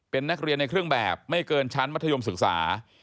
เป็นนักเรียนในเครื่องแบบไม่เกินชั้นมัธยมศึกษา